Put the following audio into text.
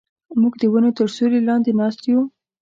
موږ د ونو تر سیوري لاندې ناست یو.